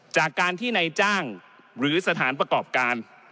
จากการที่ในจ้างหรือสถานประกอบการ